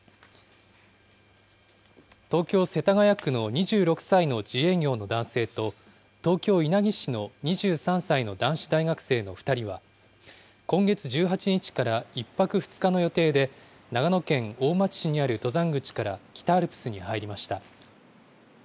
東京・世田谷区の２６歳の自営業の男性と、東京・稲城市の２３歳の男子大学生の２人は、今月１８日から１泊２日の予定で、長野県大町市にある登山口から北アルプスに入りました。